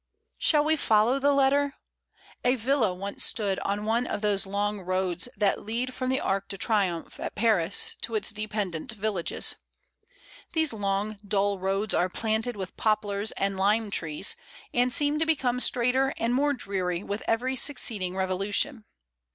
Shall we follow the letter? A villa once stood on one of those long roads that lead from the Arc de Triomphe, at Paris, to its dependent villages. These long, dull roads are planted with poplars and lime trees, and seem to become straighter and more dreary with every succeeding revolution.